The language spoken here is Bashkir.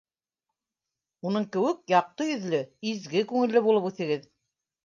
— Уның кеүек яҡты йөҙлө, изге күңелле булып үҫегеҙ.